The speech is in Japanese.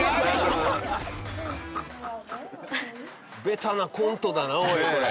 ベタなコントだな、おい、これ。